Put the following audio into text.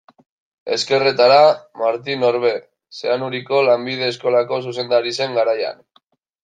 Ezkerretara, Martin Orbe, Zeanuriko lanbide eskolako zuzendari zen garaian.